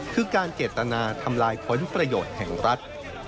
คือการเจตนาทำลายผลประโยชน์แห่งรัฐ